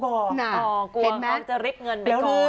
กลัวเขาจะรีบเงินไปก่อน